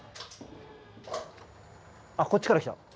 あっこっちから来た。